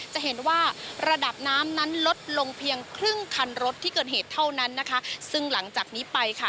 จะเห็นว่าระดับน้ำนั้นลดลงเพียงครึ่งคันรถที่เกิดเหตุเท่านั้นนะคะ